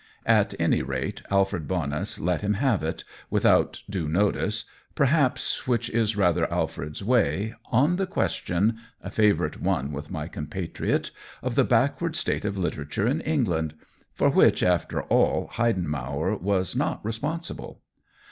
At any rate, Alfred Bonus let him have it, without due notice, perhaps, which is rather Alfred's way, on the question (a favorite one with my compatriot) of the backward state of litera ture in England, for which, after all, Heiden mauer was not responsible.